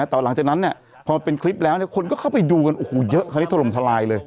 แต่หลังจากนั้นเนี่ยพอเป็นคลิปแล้วคนก็เข้าไปดูกันโอ้โหเยอะคราวนี้ถล่มทลายเลย